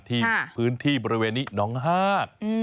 ที่พื้นที่บริเวณนี้น้องฮาก